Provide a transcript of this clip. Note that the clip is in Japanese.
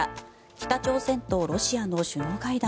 北朝鮮とロシアの首脳会談。